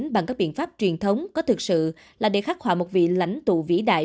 bằng các biện pháp truyền thống có thực sự là để khắc họa một vị lãnh tụ vĩ đại